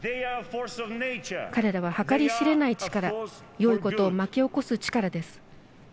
彼らの計り知れない力よいことを巻き起こす力です。